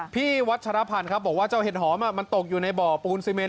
พี่วัชรพันธ์ครับบอกว่าเจ้าเห็ดหอมมันตกอยู่ในบ่อปูนซีเมน